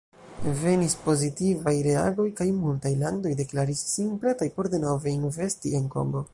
Venis pozitivaj reagoj kaj multaj landoj deklaris sin pretaj por denove investi en Kongo.